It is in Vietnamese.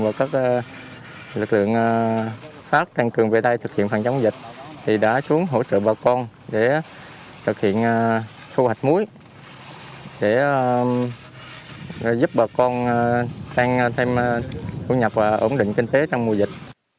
và các lực lượng khác tăng cường về đây thực hiện phòng chống dịch thì đã xuống hỗ trợ bà con để thực hiện thu hoạch muối để giúp bà con tăng thêm thu nhập và ổn định kinh tế trong mùa dịch